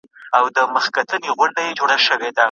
چي د ظلم په پیسو به دي زړه ښاد وي